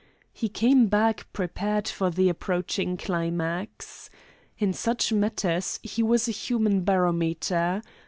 He came back prepared for the approaching climax. In such matters he was a human barometer.